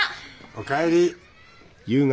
お帰り。